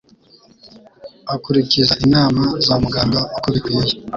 akurikiza inama za muganga uko bikwiye,